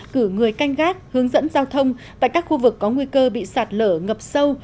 cử người canh gác hướng dẫn giao thông tại các khu vực có nguy cơ bị sạt lở ngập sâu